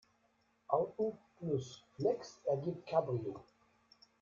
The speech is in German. Auto plus Flex ergibt Cabrio.